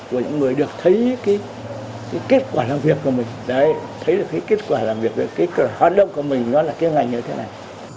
của những người được thấy cái kết quả làm việc của mình thấy được cái kết quả làm việc cái hoạt động của mình nó là cái ngành như thế này